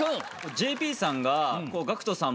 ＪＰさんがＧＡＣＫＴさん